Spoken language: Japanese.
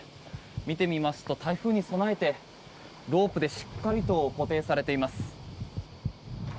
見てみますと台風に備えてロープでしっかりと固定されています。